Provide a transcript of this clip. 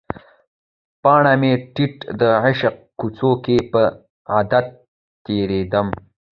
باڼه مې ټیټ د عشق کوڅو کې په عادت تیریدم